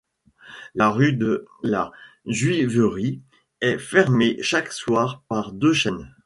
La rue de la Juiverie est fermée chaque soir par deux chaînes.